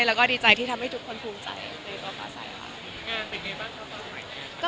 และก็ดีใจที่ทำให้ทุกคนภูมิใจในตัวฟ้าใสค่ะ